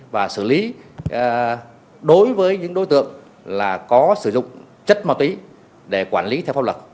và xử lý đối với những đối tượng có sử dụng chất ma túy để quản lý theo pháp luật